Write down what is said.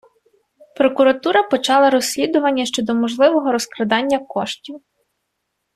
Прокуратура почала розслідування щодо можливого розкрадання коштів.